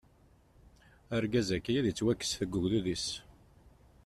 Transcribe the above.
Argaz-agi ad ittwakkes seg ugdud-is.